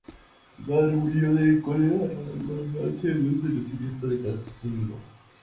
Su madre murió de cólera a los once meses del nacimiento de Casimiro.